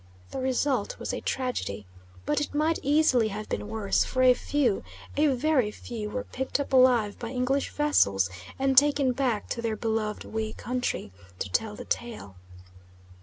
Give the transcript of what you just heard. The result was a tragedy, but it might easily have been worse; for a few, a very few, were picked up alive by English vessels and taken back to their beloved "We country" to tell the tale.